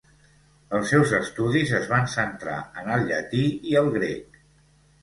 Els seus estudis es van centrar en el llatí i el grec.